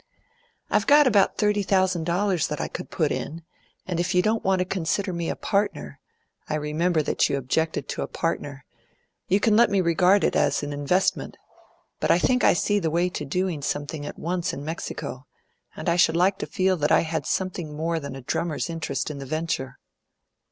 "I've got about thirty thousand dollars that I could put in, and if you don't want to consider me a partner I remember that you objected to a partner you can let me regard it as an investment. But I think I see the way to doing something at once in Mexico, and I should like to feel that I had something more than a drummer's interest in the venture."